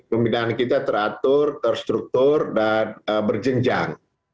pembinaan kita teratur terstruktur dan berjenjang